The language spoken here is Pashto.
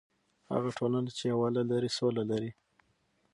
هغه ټولنه چې یووالی لري، سوله لري.